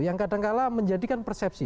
yang kadang kadang menjadikan persepsi